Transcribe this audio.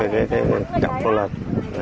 cái cọc nó lên